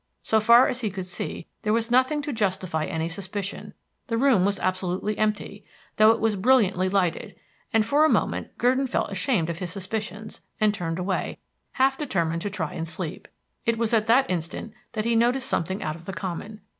So far as he could see, there was nothing to justify any suspicion. The room was absolutely empty, though it was brilliantly lighted; and for a moment Gurdon felt ashamed of his suspicions, and turned away, half determined to try and sleep. It was at that instant that he noticed something out of the common.